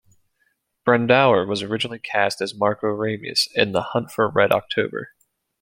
Brandauer was originally cast as Marko Ramius in "The Hunt for Red October".